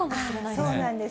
そうなんです。